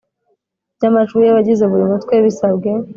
by amajwi y abagize buri Mutwe bisabwe